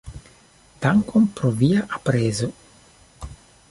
Dankon pro via aprezo.